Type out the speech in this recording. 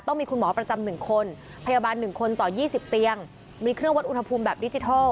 ต้องมีคุณหมอประจำ๑คนพยาบาล๑คนต่อ๒๐เตียงมีเครื่องวัดอุณหภูมิแบบดิจิทัล